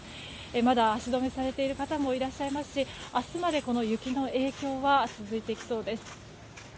まだ足止めされている方もいらっしゃいますし明日まで、この雪の影響は続いていきそうです。